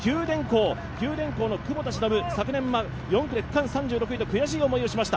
九電工の窪田忍、昨年は４区で区間３６位と悔しい思いをしました。